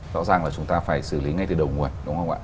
rõ ràng là chúng ta phải xử lý ngay từ đầu nguồn